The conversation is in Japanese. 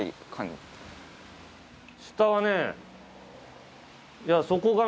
下はね。